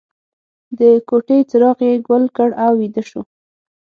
د کوټې څراغ یې ګل کړ او ویده شو